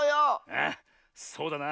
あっそうだな。